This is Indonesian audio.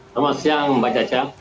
selamat siang mbak caca